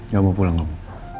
gak mau pulang gak mau